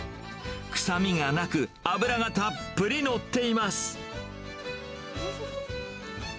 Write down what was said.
臭みがなく、脂がたっぷり乗っています。